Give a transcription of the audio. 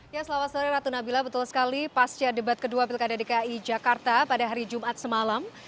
ya selamat sore ratu nabila betul sekali pasca debat kedua pilkada dki jakarta pada hari jumat semalam